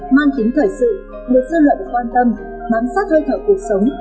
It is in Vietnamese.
mang kính thời sự được dư luận quan tâm mắm sát hơi thở cuộc sống